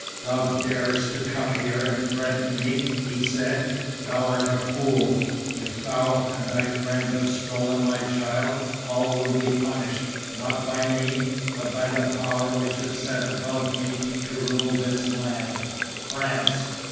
"Thou darest to come here and threaten me!" he said. "Thou art a fool. If thou and thy friends have stolen my child, all will be punished, not by me, but by the power which is set above me to rule this land France."